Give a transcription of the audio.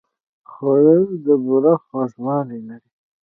خوړل د بوره خوږوالی لري